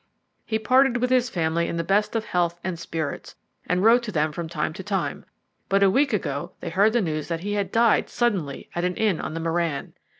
He parted with his family in the best of health and spirits, and wrote to them from time to time; but a week ago they heard the news that he had died suddenly at an inn on the Merran.